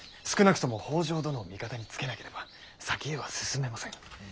少なくとも北条殿を味方につけなければ先へは進めません。